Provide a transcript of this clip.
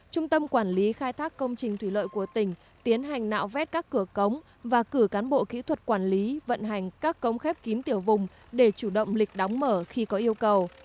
trung tâm quản lý khai thác công trình thủy lợi của tỉnh tiến hành nạo vét các cửa cống và cử cán bộ kỹ thuật quản lý vận hành các cống khép kín tiểu vùng để chủ động lịch đóng mở khi có yêu cầu